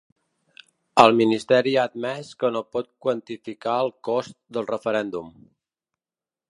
El ministeri ha admès que no pot quantificar el cost del referèndum.